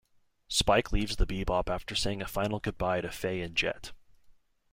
Spike leaves the "Bebop" after saying a final goodbye to Faye and Jet.